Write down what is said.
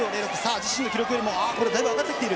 自身の記録よりだいぶ上がってきている。